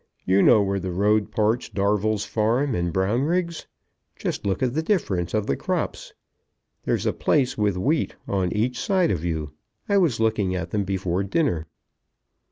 You know where the road parts Darvell's farm and Brownriggs? Just look at the difference of the crops. There's a place with wheat on each side of you. I was looking at them before dinner."